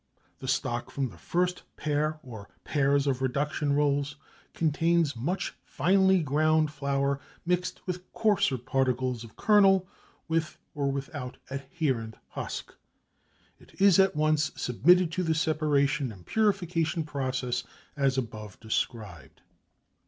The stock from the first pair or pairs of reduction rolls contains much finely ground flour mixed with coarser particles of kernel with or without adherent husk. It is at once submitted to the separation and purification processes as above described.